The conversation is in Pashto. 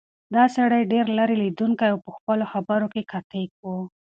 دا سړی ډېر لیرې لیدونکی او په خپلو خبرو کې قاطع و.